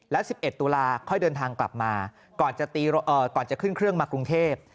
และ๑๑ตุลาค่อยเดินทางกลับมาก่อนจะขึ้นเครื่องมากรุงเทพ